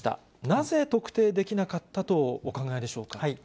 なぜ特定できなかったとお考えでしょうか。